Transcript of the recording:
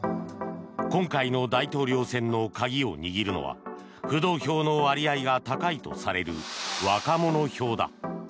今回の大統領選の鍵を握るのは浮動票の割合が高いとされる若者票だ。